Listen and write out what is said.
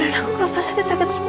keren aku kelapa sakit sakit semua